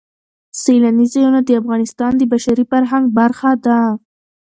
سیلاني ځایونه د افغانستان د بشري فرهنګ برخه ده.